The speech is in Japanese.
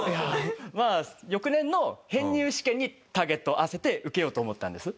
まあ翌年の編入試験にターゲットを合わせて受けようと思ったんです。